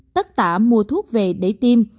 tất tả mua thuốc về để tiêm